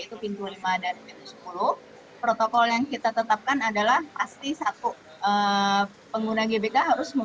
untuk selalu jaga jarak dan tidak bergerombol